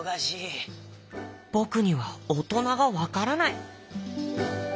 「ぼくにはおとながわからない！」。